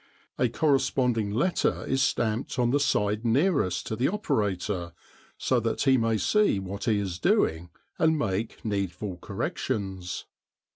A corresponding letter is stamped on the side nearest to the operator so that he may see what he is doing and make needful corrections.